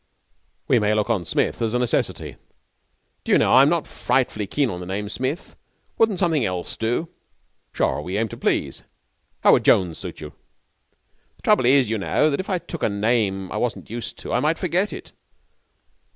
'We may look on Smith as a necessity.' 'Do you know, I'm not frightfully keen on the name Smith. Wouldn't something else do?' 'Sure. We aim to please. How would Jones suit you?' 'The trouble is, you know, that if I took a name I wasn't used to I might forget it.'